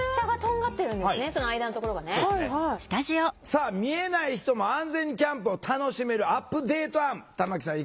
さあ見えない人も安全にキャンプを楽しめるアップデート案玉木さん